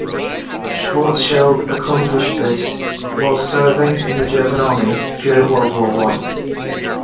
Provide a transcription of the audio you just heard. Schwarzschild accomplished this while serving in the German army during World War One.